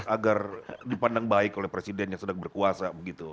agar dipandang baik oleh presiden yang sedang berkuasa begitu